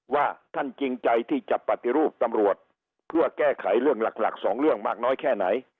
ว่าท่านจริงใจที่จะปฏิรูปตำรวจเพื่อแก้ไขเรื่องหลักสองเรื่องมากน้อยแค่ไหน